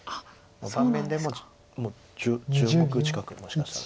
盤面でもう１０目近くもしかしたら。